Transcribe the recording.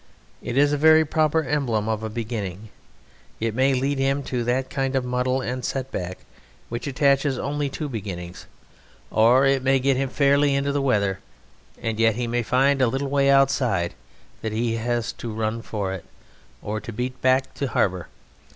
It is a very proper emblem of a beginning. It may lead him to that kind of muddle and set back which attaches only to beginnings, or it may get him fairly into the weather, and yet he may find, a little way outside, that he has to run for it, or to beat back to harbour.